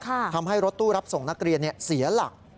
ทำให้รถตู้รับส่งนักเรียนเสียหลัก